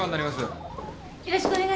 よろしくお願いします。